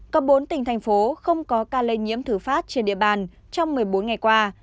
có bốn tỉnh thành phố không có ca lây nhiễm thử phát trên địa bàn trong một mươi bốn ngày qua